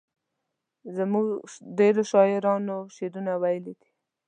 زموږ ډیرو شاعرانو شعرونه ویلي دي.